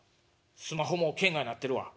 スマホも圏外なってるわ。